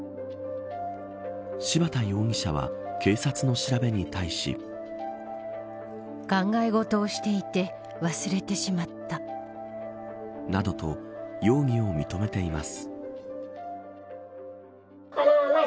柴田容疑者は警察の調べに対し。などと、容疑を認めています。